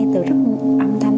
từ rất nhiều âm thanh